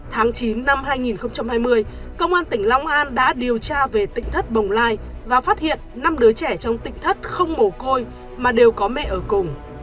tháng chín năm hai nghìn hai mươi công an tỉnh long an đã điều tra về tỉnh thất bồng lai và phát hiện năm đứa trẻ trong tỉnh thất không mồ côi mà đều có mẹ ở cùng